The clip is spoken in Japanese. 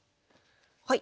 はい。